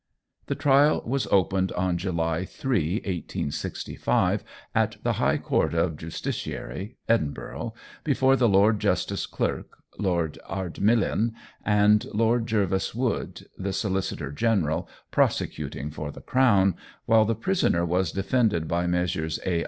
The trial opened on July 3, 1865, at the High Court of Justiciary, Edinburgh, before the Lord Justice Clerk, Lord Ardmillan, and Lord Jervis woode, the Solicitor General prosecuting for the Crown, while the prisoner was defended by Messrs. A.